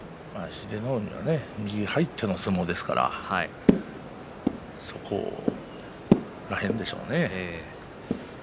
英乃海は右入っての相撲ですからその辺りでしょうね。